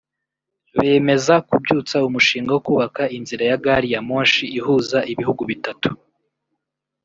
bemeza kubyutsa umushinga wo kubaka inzira ya Gari ya moshi ihuza ibihugu bitatu